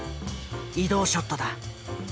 移動ショットだ。